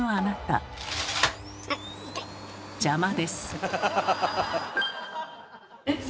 邪魔です。